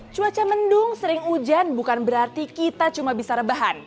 cuaca mendung sering hujan bukan berarti kita cuma bisa rebahan